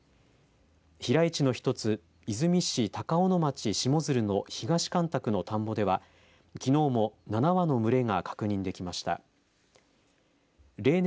飛来地の一つ出水市高尾野町下水流の東干拓の田んぼではきのうも７羽の群れが確認できました。